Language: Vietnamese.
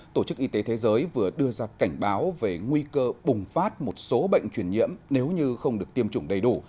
tổ chức y tế thế giới vừa đưa ra cảnh báo về nguy cơ bùng phát một số bệnh truyền nhiễm nếu như không được tiêm chủng đầy đủ